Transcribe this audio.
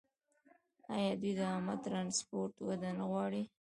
آیا دوی د عامه ټرانسپورټ وده نه غواړي؟